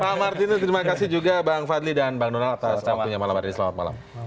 pak martinus terima kasih juga bang fadli dan bang donald atas waktunya malam hari ini selamat malam